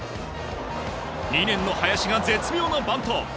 ２年の林が絶妙なバント。